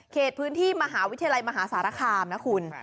พื้นที่มหาวิทยาลัยมหาสารคามนะคุณ